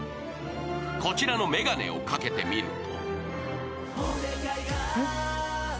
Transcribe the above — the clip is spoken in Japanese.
こちらの眼鏡をかけてみると。